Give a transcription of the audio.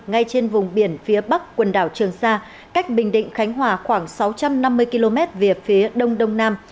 ngay trên vùng biển phía bắc quần đảo trường sa cách bình định khánh hòa khoảng sáu trăm năm mươi km về phía đông đông nam